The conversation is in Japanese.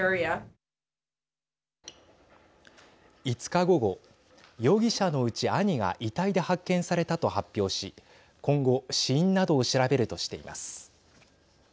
５日、午後容疑者のうち兄が遺体で発見されたと発表し今後、死因などを調べるとしています。